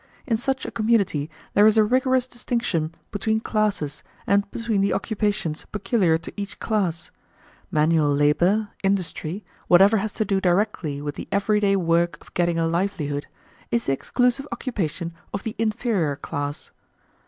In such a community there is a rigorous distinction between classes and between the occupations peculiar to each class. Manual labour, industry, whatever has to do directly with the everyday work of getting a livelihood, is the exclusive occupation of the inferior class.